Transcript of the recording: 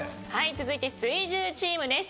続いて水１０チームです。